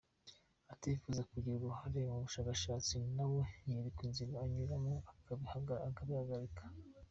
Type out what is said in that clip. Utifuza kugira uruhare mu bushakashatsi na we yerekwa inzira anyuramo akabihagarika.